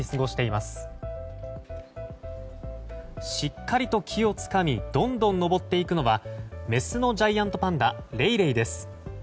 しっかりと木をつかみどんどん登っていくのはメスのジャイアントパンダレイレイです。